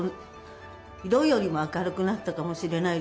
色よりも明るくなったかもしれないです。